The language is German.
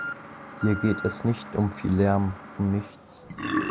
Hier geht es nicht um viel Lärm um nichts!